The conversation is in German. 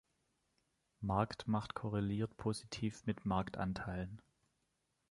Marktmacht korreliert positiv mit Marktanteilen.